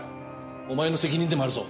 お前の責任でもあるぞ。